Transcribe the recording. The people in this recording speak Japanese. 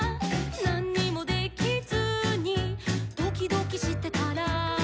「なんにもできずにドキドキしてたら」